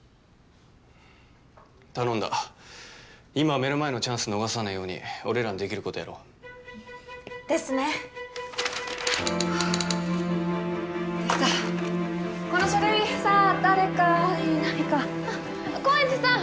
頼んだ今は目の前のチャンス逃さねえように俺らにできることやろうですねはあできたこの書類さ誰かいないかあっ高円寺さん！